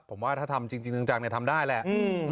ผมว่าถ้าทำจริงจังทำได้แหละ